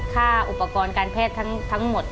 ค่าอุปกรณ์การแพทย์ทั้งหมด